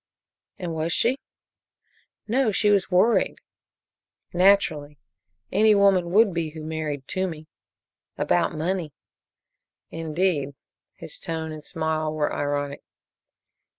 "And was she?" "No she was worried." "Naturally. Any woman would be who married Toomey." "About money." "Indeed." His tone and smile were ironic.